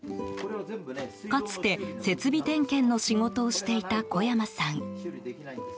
かつて、設備点検の仕事をしていた小山さん。